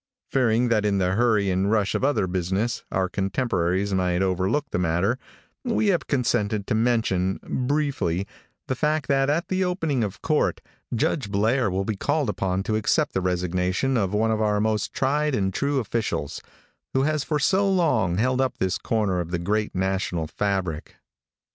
Fearing that in the hurry and rush of other business our contemporaries might overlook the matter, we have consented to mention, briefly, the fact that at the opening of court, Judge Blair will be called upon to accept the resignation of one of our most tried and true officials, who has for so long held up this corner of the great national fabric.